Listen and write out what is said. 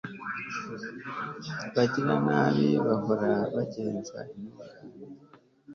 abagiranabi bahora bagenza intungane